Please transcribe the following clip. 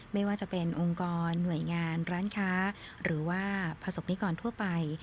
ไม่ว่าจะเป็นองค์กรหน่วยงานร้านค้าหรือว่าประสบนิกรทั่วไป